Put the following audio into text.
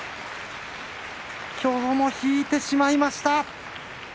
きょうも引いてしまいました。